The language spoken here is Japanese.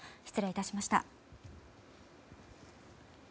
失礼致しました。